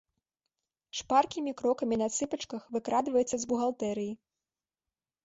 Шпаркімі крокамі на цыпачках выкрадваецца з бухгалтэрыі.